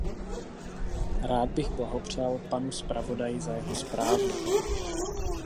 Rád bych blahopřál panu zpravodaji za jeho zprávu.